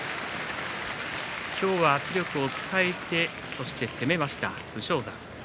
今日は圧力を伝えてそして攻めました、武将山。